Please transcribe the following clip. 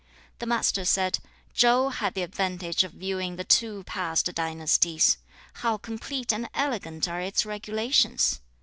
The Master said, 'Chau had the advantage of viewing the two past dynasties. How complete and elegant are its regulations!